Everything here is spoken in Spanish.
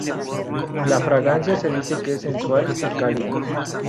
La fragancia se dice que es sensual y cálida.